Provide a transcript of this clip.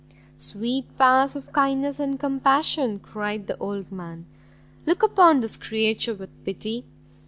"Sweet powers of kindness and compassion!" cried the old man, "look upon this creature with pity!